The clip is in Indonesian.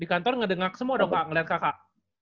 di kantor ngedengak semua dong kak ngeliat kakak